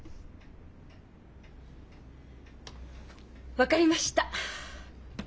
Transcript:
分かりました！